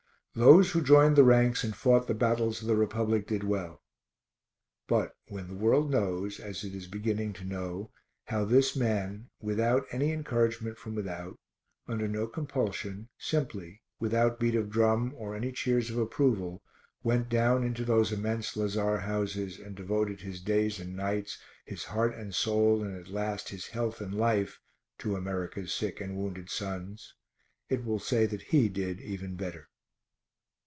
Those who joined the ranks and fought the battles of the Republic did well; but when the world knows, as it is beginning to know, how this man, without any encouragement from without, under no compulsion, simply, without beat of drum or any cheers of approval, went down into those immense lazar houses and devoted his days and nights, his heart and soul, and at last his health and life, to America's sick and wounded sons, it will say that he did even better.